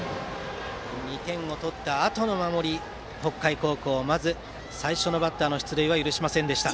２点を取ったあとの守り北海高校、まず最初のバッターの出塁は許しませんでした。